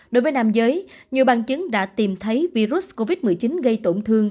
đối với nam giới nhiều bằng chứng đã tìm thấy virus covid một mươi chín gây tổn thương